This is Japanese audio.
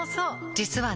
実はね